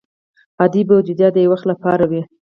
عادي بودیجه د یو وخت لپاره وي.